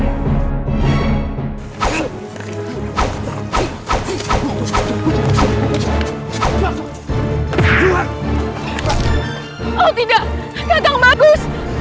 oh tidak katang bagus